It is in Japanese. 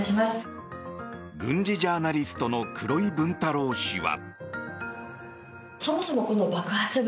軍事ジャーナリストの黒井文太郎氏は。